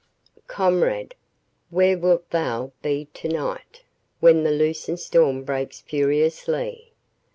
Comrade, where wilt thou be to night When the loosed storm breaks furiously?